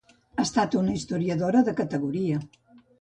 Ha estat una historiadora de categoria.